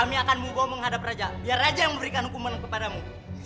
kami akan menghadap raja biar raja yang memberikan hukuman kepadamu